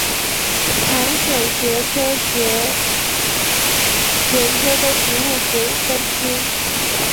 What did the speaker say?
苔藓学科学研究的植物学分支。